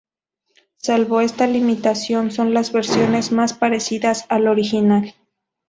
Salvo esta limitación son las versiones más parecidas al original.